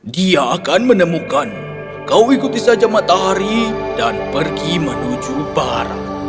dia akan menemukanmu kau ikuti saja matahari dan pergi menuju barat